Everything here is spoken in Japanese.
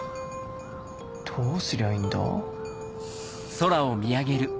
どうすりゃいいんだ？